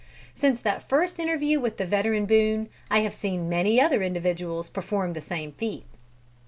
Since that first interview with the veteran Boone, I have seen many other individuals perform the same feat.